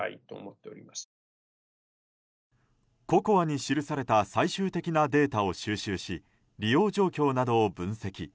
ＣＯＣＯＡに記された最終的なデータを収集し利用状況などを分析。